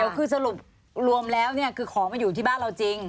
คือสรุปรวมแล้วคือของมันอยู่ที่บ้านเราจริง